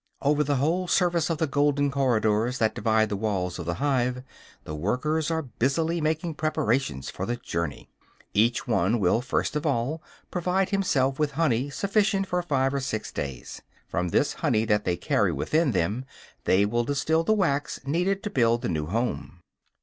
Over the whole surface of the golden corridors that divide the walls of the hive, the workers are busily making preparations for the journey. Each one will first of all provide herself with honey sufficient for five or six days. From this honey that they carry within them they will distil the wax needed to build the new home.